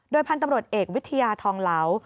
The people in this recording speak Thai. พันธุ์ตำรวจเอกวิทยาทองเหลา